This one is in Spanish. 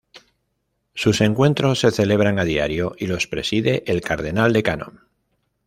Sus encuentros se celebran a diario y los preside el cardenal decano.